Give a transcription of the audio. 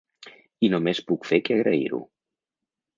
I només puc fer que agrair-ho.